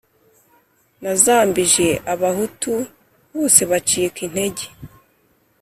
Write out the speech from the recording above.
Nazambije abahutu bose bacika intege